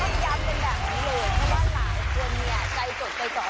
แต่ว่าหลายคนนี่ใจจดใจเจาะ